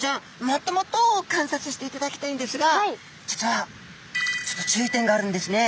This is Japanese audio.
もっともっと観察していただきたいんですが実はちょっと注意点があるんですね。